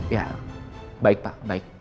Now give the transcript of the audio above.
ya baik pak baik